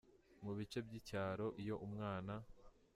Mu bice by’icyaro, iyo umwana